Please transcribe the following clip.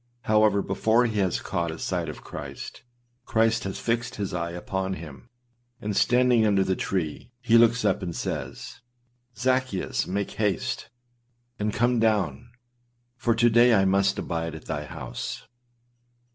However, before he has caught a sight of Christ, Christ has fixed his eye upon him, and standing under the tree, he looks up, and says, âZaccheus, make haste, and come down; for to day I must abide at thy house.